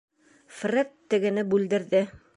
Фред тегене бүлдерҙе: